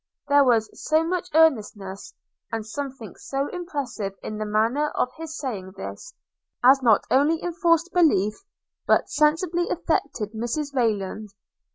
There was so much earnestness, and something so impressive in the manner of his saying this, as not only enforced belief, but sensibly affected Mrs Rayland.